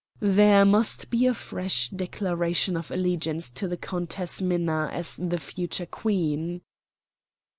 "There must be a fresh declaration of allegiance to the Countess Minna as the future Queen."